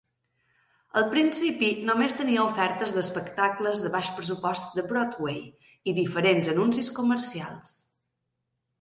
Al principi només tenia ofertes d'espectacles de baix pressupost de Broadway i diferents anuncis comercials.